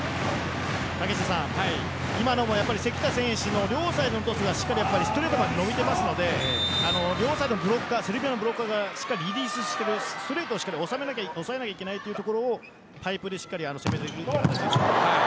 竹下さん、今のも関田選手の両サイドのトスがしっかりストレートまで伸びているので両サイドのブロッカーがしっかり、リリースしてストレートをしっかり抑えなきゃいけないというところをパイプで攻めていくという形ですね。